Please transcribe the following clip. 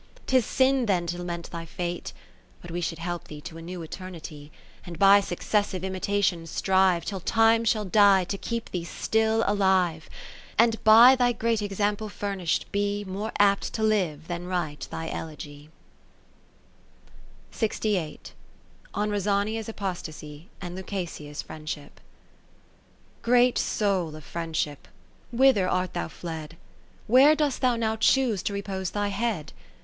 'Tis si n then to lament thy fate, but we Should help thee to a new eternity ; And by successive imitation strive, Till time shall die, to keep thee still alive ; And (by thy great example furnish'd) be More apt to live than write thy Elogy \ 50 On Rosania's Apostasy, and Lucasia's Friendship Great Soul of Friendship, whither art thou fled? Where dost thou now choose to re pose thy head